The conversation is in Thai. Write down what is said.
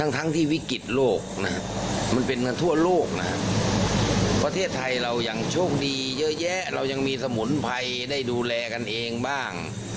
ทั้งที่วิกฤตโลกนะฮะมันเป็นเงินทั่วโลกนะฮะประเทศไทยเรายังโชคดีเยอะแยะเรายังมีสมุนไพรได้ดูแลกันเองบ้าง